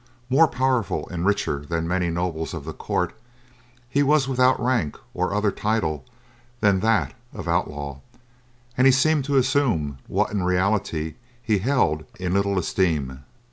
More powerful and richer than many nobles of the court, he was without rank or other title than that of outlaw and he seemed to assume what in reality he held in little esteem.